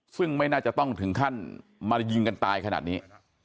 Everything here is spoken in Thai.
ซึ่งไม่น่าจะต้องถึงขั้นมายิงกันตายขนาดนี้